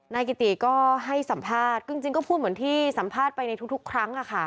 กิติก็ให้สัมภาษณ์จริงก็พูดเหมือนที่สัมภาษณ์ไปในทุกครั้ง